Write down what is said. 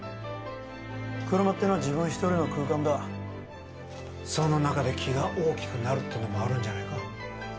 車ってのは自分一人の空間だその中で気が大きくなるってのもあるんじゃないか？